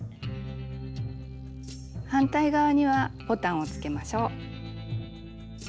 反対側にはボタンをつけましょう。